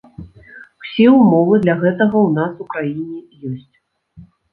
Усе ўмовы для гэтага ў нас у краіне ёсць.